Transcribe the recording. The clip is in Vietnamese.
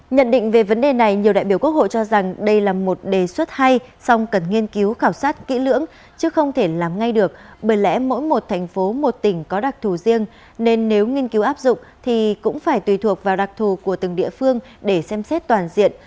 nhận định về vấn đề này nhiều đại biểu quốc hội cho rằng đây là một đề xuất hay xong cần nghiên cứu khảo sát kỹ lưỡng chứ không thể làm ngay được bởi lẽ mỗi một thành phố một tỉnh có đặc thù riêng nên nếu nghiên cứu áp dụng thì cũng phải tùy thuộc vào đặc thù của từng địa phương để xem xét toàn diện